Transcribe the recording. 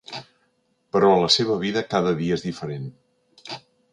Però a la seva vida cada dia és diferent.